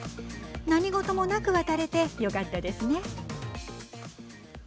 何事もなく渡れてよかったですね。